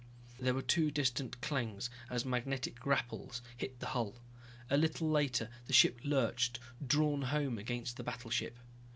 There were two distant clangs as magnetic grapples hit the hull. A little later the ship lurched, drawn home against the battleship.